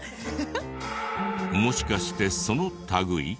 もしかしてその類い？